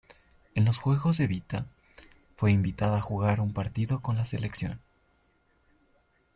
En los Juegos Evita, fue invitada a jugar un partido con la selección.